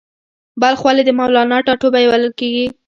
بلخ ولې د مولانا ټاټوبی بلل کیږي؟